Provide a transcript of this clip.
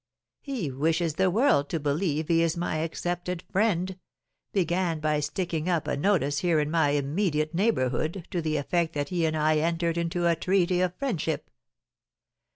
He wishes the world to believe he is my accepted friend; began by sticking up a notice here in my immediate neighbourhood to the effect that he and I had entered into a treaty of friendship!